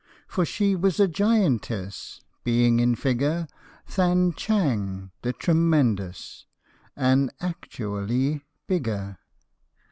For she was a giantess, being in figure Than Chang the tremendous, ^rz actually bigger.